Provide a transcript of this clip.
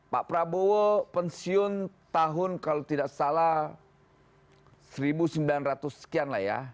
pak prabowo pensiun tahun kalau tidak salah seribu sembilan ratus sekian lah ya